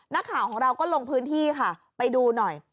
นักข่าวของเราก็ลงพื้นที่ค่ะไปดูหน่อย